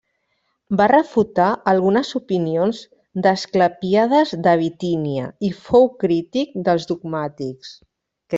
Va refutar algunes opinions d'Asclepíades de Bitínia i fou crític dels dogmàtics.